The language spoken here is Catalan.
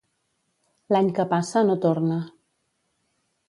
L'any que passa, no torna.